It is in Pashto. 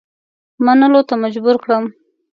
منلو ته مجبور کړم.